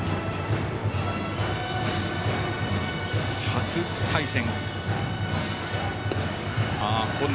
初対戦。